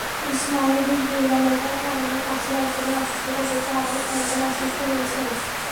স্নায়বিক দুর্বলতার কারণে কাছের একজনের অসুস্থতা দেখে আরও ছয়জন অসুস্থ হয়েছে।